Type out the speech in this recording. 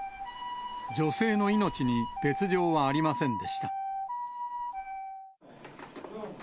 女性の命に別状はありませんでした。